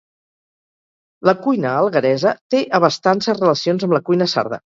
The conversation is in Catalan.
La cuina algueresa té a bastança relacions amb la cuina sarda